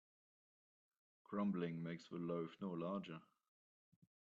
Grumbling makes the loaf no larger.